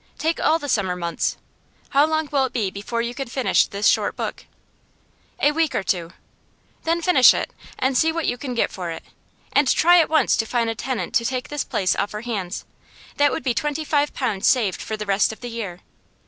Take all the summer months. How long will it be before you can finish this short book?' 'A week or two.' 'Then finish it, and see what you can get for it. And try at once to find a tenant to take this place off our hands; that would be twenty five pounds saved for the rest of the year.